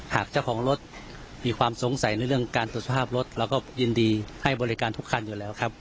หากเจ้าของรถมีความสงสัยในเรื่องการตรวจสภาพรถเราก็ยินดีให้บริการทุกคันอยู่แล้วครับ